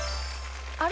あれ？